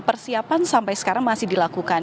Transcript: persiapan sampai sekarang masih dilakukan